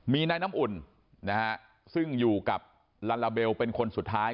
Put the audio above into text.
มีนายน้ำอุ่นนะฮะซึ่งอยู่กับลาลาเบลเป็นคนสุดท้าย